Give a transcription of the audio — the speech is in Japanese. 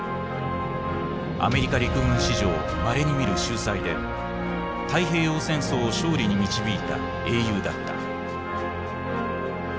アメリカ陸軍史上まれに見る秀才で太平洋戦争を勝利に導いた英雄だった。